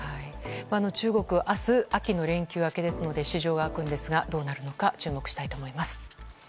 中国は明日、秋の連休明けで市場が開くんですがどうなるのか注目したいと思います。